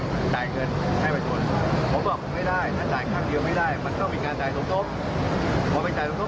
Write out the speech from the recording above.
คนถามเยอะเลยว่าใครคนคิด